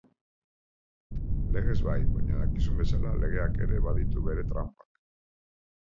Legez bai, baina dakizun bezala, legeak ere baditu bere tranpak.